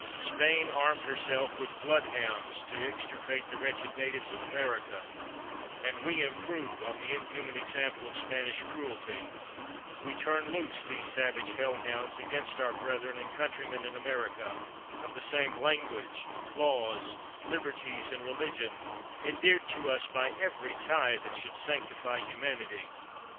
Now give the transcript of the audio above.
Spain armed herself with boood hounds to extir pate the wretched natives of America, and we improve on the inhuman example of Spanish cruelty; we turn loose these savage hell hounds against our brethren and countrymen in Amer ica, of the same language, Jaws, liberties, and religion, endeared to us by every tie that should sanctify humanity.